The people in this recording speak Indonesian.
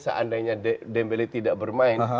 seandainya dembele tidak bermain